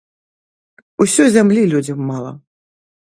Усё зямлі людзям мала.